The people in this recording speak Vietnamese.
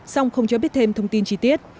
song không cho biết thêm thông tin chi tiết